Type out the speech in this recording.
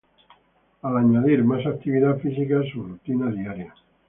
Al añadir más actividad física a su rutina diaria